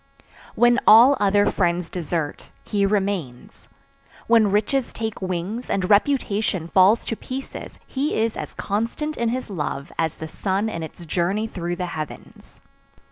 "When all other friends desert, he remains, when riches take wings and reputation falls to pieces he is as constant in his love as the sun in its journey through the heavens.